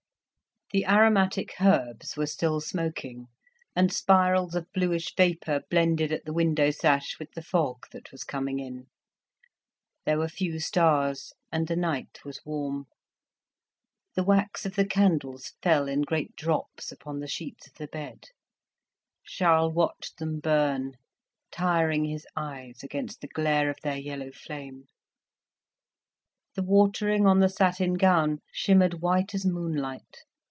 The aromatic herbs were still smoking, and spirals of bluish vapour blended at the window sash with the fog that was coming in. There were few stars, and the night was warm. The wax of the candles fell in great drops upon the sheets of the bed. Charles watched them burn, tiring his eyes against the glare of their yellow flame. The watering on the satin gown shimmered white as moonlight.